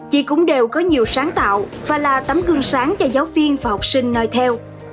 chị cũng đều có nhiều sáng tạo và là tấm gương sáng cho giáo viên và học sinh nói theo